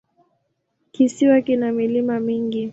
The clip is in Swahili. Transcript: Kisiwa kina milima mingi.